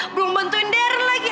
belum bantuin deren lagi